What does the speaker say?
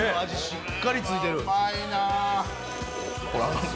しっかり付いてる。なぁ。